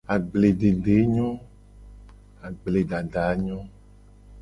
Agbledede nyo.